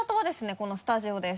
このスタジオです。